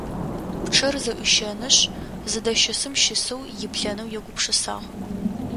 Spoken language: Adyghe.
Пчъэр зэӏуищэинышъ зыдэщысым щысэу иплъэнэу егупшысагъ.